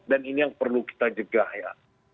dan ini yang perlu kita jegah ya